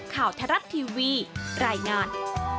ข่าวทรัศน์ทีวีรายงาน